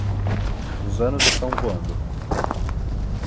Os anos estão voando.